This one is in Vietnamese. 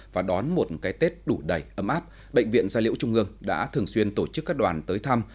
và đón một cái tết đủ đầy ấm áp bệnh viện gia liễu trung ương đã thường xuyên tổ chức các đoàn tới thăm